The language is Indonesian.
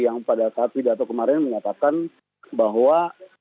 yang pada saat di datuk kemarin menyatakan bahwa